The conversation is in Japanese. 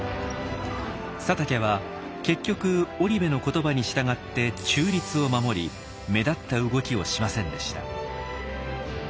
佐竹は結局織部の言葉に従って中立を守り目立った動きをしませんでした。